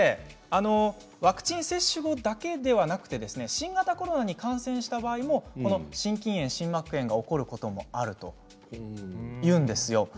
ワクチン接種後だけではなく新型コロナに感染した場合もこの心筋炎、心膜炎が起こることもあるというんですよ。